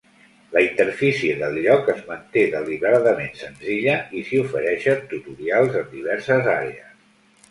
La interfície del lloc es manté deliberadament senzilla i s'hi ofereixen tutorials en diverses àrees.